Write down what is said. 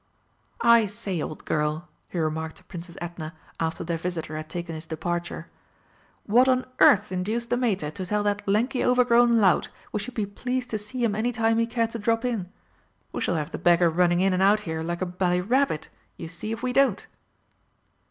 "I say, old girl," he remarked to Princess Edna, after their visitor had taken his departure, "what on earth induced the Mater to tell that lanky overgrown lout we should be pleased to see him any time he cared to drop in? We shall have the beggar running in and out here like a bally rabbit, you see if we don't!"